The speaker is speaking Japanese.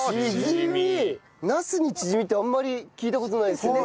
ナスにチヂミってあんまり聞いた事ないですよね。